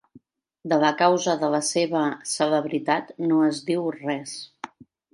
De la causa de la seva celebritat no es diu res.